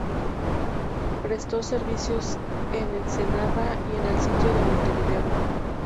Prestó servicios en Ensenada y en el sitio de Montevideo.